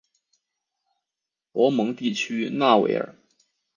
博蒙地区讷维尔。